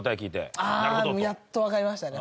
ああやっとわかりましたね